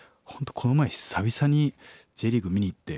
この前久々にＪリーグ見に行って。